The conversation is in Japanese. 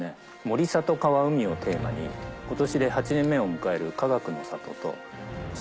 「森里川海」をテーマに今年で８年目を迎える。